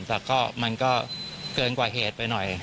แต่ก็มันก็เกินกว่าเหตุไปหน่อย